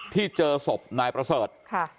ที่เจอศพนายประเสริฐ